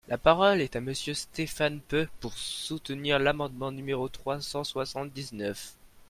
La parole est à Monsieur Stéphane Peu, pour soutenir l’amendement numéro trois cent soixante-dix-neuf.